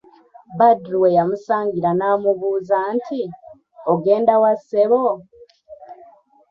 Badru we yamusangira n'amubuuza nti "ogenda wa ssebo?"